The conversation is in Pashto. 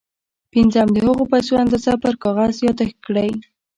پنځم د هغو پيسو اندازه پر کاغذ ياداښت کړئ.